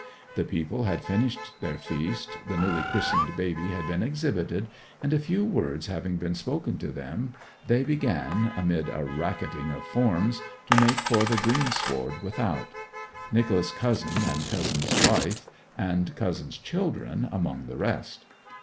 The people had finished their feast, the newly christened baby had been exhibited, and a few words having been spoken to them they began, amid a racketing of forms, to make for the greensward without, Nicholas's cousin and cousin's wife and cousin's children among the rest.